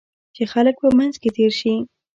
چې خلک په منځ کې تېر شي.